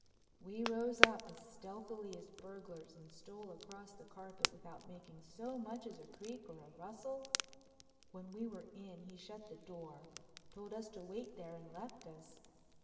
We rose up as stealthily as burglars and stole across the carpet without making so much as a creak or a rustle. When we were in he shut the door, told us to wait there, and left us.